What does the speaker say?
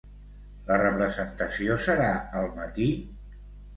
La representació serà al matí?